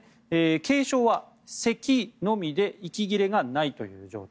軽症はせきのみで息切れがないという状態